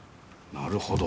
なるほど。